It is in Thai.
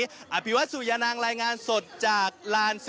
ขอบคุณครับ